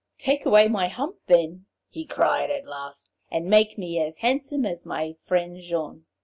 'Take away my hump, then,' he cried at last, 'and make me as handsome as my friend Jean.